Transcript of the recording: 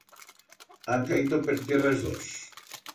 Han caito per tierra es dos.